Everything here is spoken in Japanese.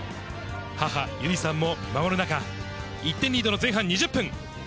母、由里さんも見守る中、１点リードの前半２０分。